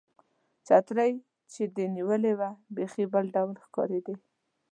چترۍ چې دې نیولې وه، بیخي بل ډول ښکارېدې.